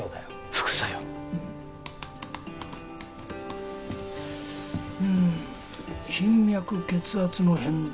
副作用うんうん頻脈血圧の変動